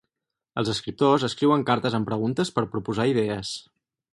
Els escriptors escriuen cartes amb preguntes per proposar idees.